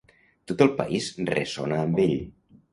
Tot el país ressona amb ell.